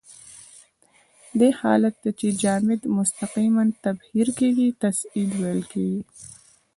دې حالت ته چې جامد مستقیماً تبخیر کیږي تصعید ویل کیږي.